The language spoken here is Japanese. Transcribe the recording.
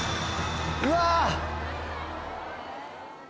うわ！